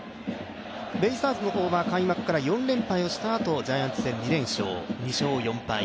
ベイスターズの方は開幕から４連敗をしたあとジャイアンツ戦、２連勝２勝、４敗。